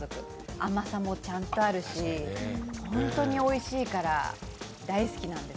甘さもちゃんとあるし、本当においしいから大好きなんです。